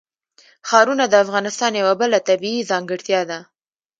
ښارونه د افغانستان یوه بله طبیعي ځانګړتیا ده.